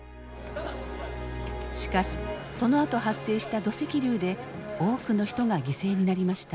しかしそのあと発生した土石流で多くの人が犠牲になりました。